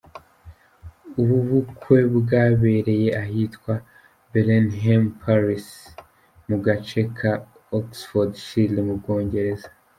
Ubu bukwe bwabereye ahitwa Blenheim Palace, mu gace ka Oxfordshire mu Bwongereza.